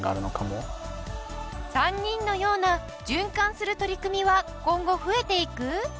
３人のような循環する取り組みは今後増えていく？